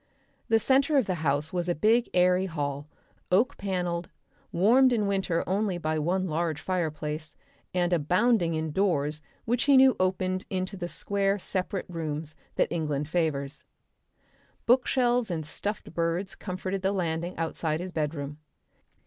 The centre of the house was a big airy hall, oak panelled, warmed in winter only by one large fireplace and abounding in doors which he knew opened into the square separate rooms that England favours. Bookshelves and stuffed birds comforted the landing outside his bedroom.